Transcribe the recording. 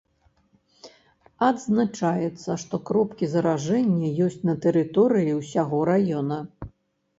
Адзначаецца, што кропкі заражэння ёсць на тэрыторыі ўсяго раёна.